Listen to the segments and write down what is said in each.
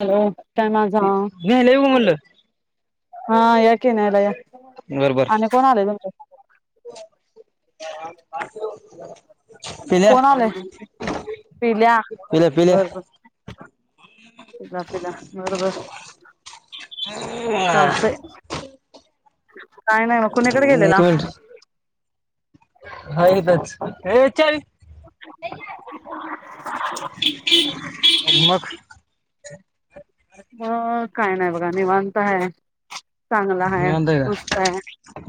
Hello काय माझ हा न्यायला येऊ म्हणलं. हा या की नाहीला या बर बर आणि कोण आलाय तुमच [unintelligible] पिल्या कोण आलाय त पिल्या पिल्या पिल्या बरबर त तला मर ब ना काय नाही ना कुणीकडे गेलेला हा तरच विच क अ मग काय नाही बघा निीवांनता आहे चांगला ह निवांत आहे का नस्त आहे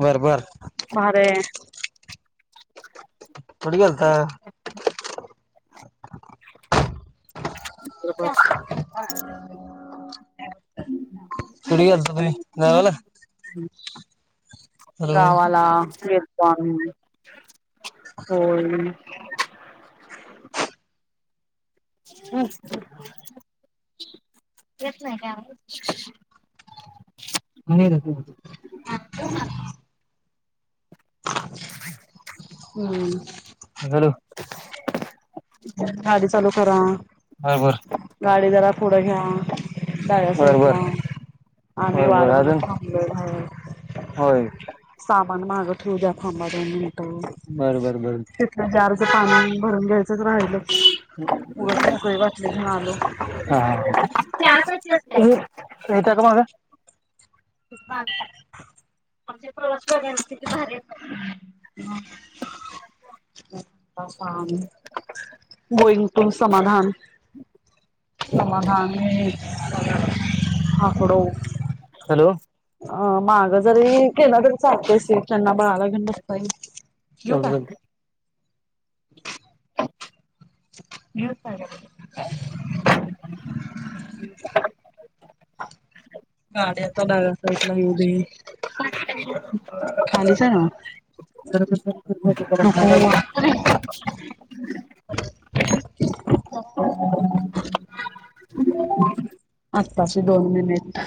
बर बर भार [unintelligible] बढ गथ [unintelligible] हम्म सुुड आत तुम जायवला गावाला फण होय अच्छा येत नाही का म्ह हम्म बलू गाडी चालू करा बर बर गाडी जरा पुढं घ्या बर बर द्यासला आम्ही बर वाढ बर बघत अजून थांबलो घ होय सामान मागत होऊ द्या खांबा बर बर बर तिथ जारच पाणी भरून घ्यायचं त करय ल उथ नकरी वापली स लो हा त्याकाच अस काय येता का माग प्रवास करथिती भारी हो गोईंग त समाधान समाधाणे हकड हॅलो अ मागं जरी केलं तरी चालतेस त्यांना बाळाला घेन बसताई हो [unintelligible] घपड गाड्याचा डग अस इ नाही उदे खालीच ना नको सर् अच्छ तशी दोन मिनिट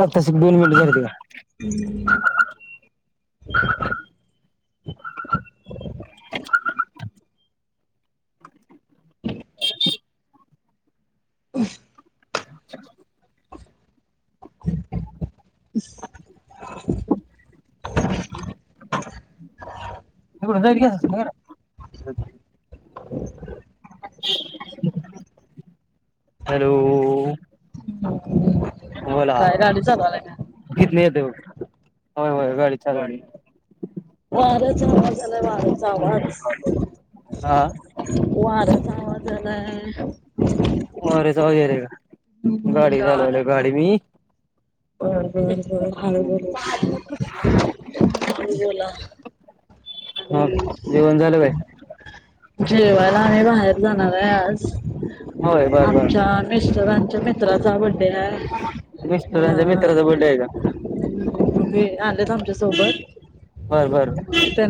अ तस दोन मिनिट झारते का [unintelligible] अ अ अच्छ [unintelligible] तड जाई [unintelligible] हॅलोऽऽऽऽ बोला,, काय गाडी चालवायला का? हितनं येतय, वय, होय, होय, गाडी चालवा लुप्त. वाऱ्याचा आवाज आलाय, वाऱ्याचा आवाज, हा वार्याऽऽ हं, झालाय. वाऱ्याच आवाज यायलाय का बर गाडी चालवलोय गाडी मीऽऽ बर, बर, बर, हळु बोला. मग जेवण झालं काय [unintelligible] जेवायला ऽऽआम्ही बाहेर जाणार आहे आज, होय बर बर आमच्या मिस्टरांच्याऽऽ मित्राचा बड्डे हाय. मिस्टरांच्या बर मित्राचा बड्डे आहे का तुम्ही,, आलेत आमच्यासोबत. बर, बर.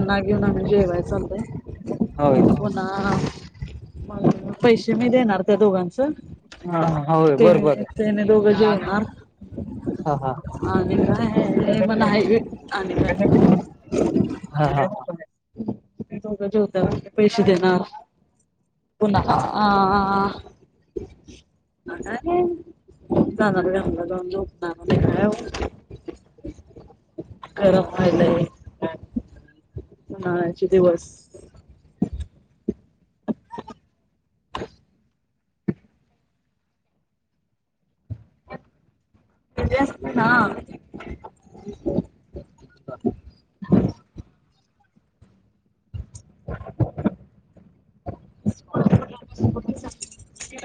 ना घेऊन आम्ही जेवाय चाललोय. होय पूनाऽऽ मग,, पैसे मी देणार त्या दोघांचं. हा होय बर तेने, बर त्यानी दोघं जेवणार. हा हा आणि काय ऽनै बघा, मण आहे आणि कायऽ हा, हा, दोघ जेवल्यावर पैसे देणार. पुन ह अंअअअ जाणार, घरला जाऊन जोपनार. गरम व्हायलय. हां, चे दिवस. [unintelligible] हां. हो [unintelligible] [unintelligible]